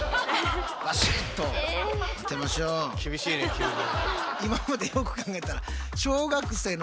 厳しいね急に。